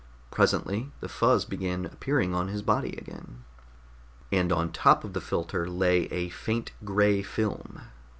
Presently the fuzz began appearing on his body again. And on the top of the filter lay a faint gray film.